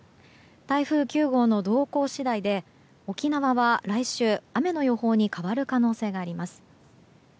台風９号の動向次第で沖縄は来週雨の予報に変わる可能性があります。